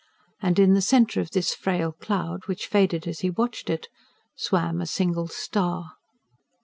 And in the centre of this frail cloud, which faded as he watched it, swam a single star.